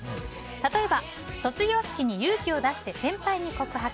例えば、卒業式に勇気を出して先輩に告白。